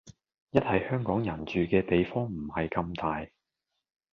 一係香港人住嘅地方唔係咁大